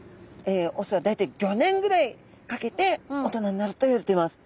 雄は大体５年ぐらいかけて大人になるといわれています。